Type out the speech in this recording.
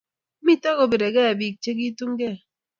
Mito kobiregei biik chegitunge